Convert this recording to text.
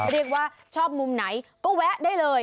เรียกว่าชอบมุมไหนก็แวะได้เลย